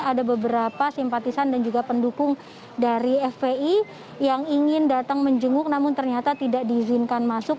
ada beberapa simpatisan dan juga pendukung dari fpi yang ingin datang menjenguk namun ternyata tidak diizinkan masuk